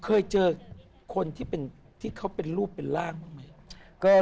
เคยเจอคนที่เป็นที่เค้าเป็นรูปเป็นร่างตั้งหมดไหม